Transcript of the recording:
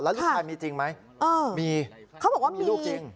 แล้วลูกชายมีจริงไหมมีมีลูกจริง